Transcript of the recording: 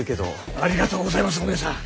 ありがとうございますお姉さん。